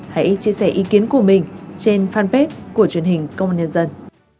hãy chia sẻ ý kiến của mình trên fanpage của truyền hình công an nhân dân